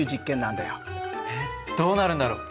えっどうなるんだろう？